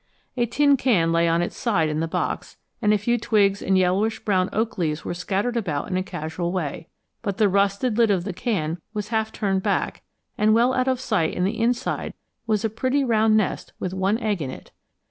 A tin can lay on its side in the box, and a few twigs and yellowish brown oak leaves were scattered about in a casual way, but the rusted lid of the can was half turned back, and well out of sight in the inside was a pretty round nest with one egg in it.